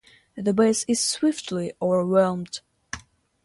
The base is swiftly overwhelmed.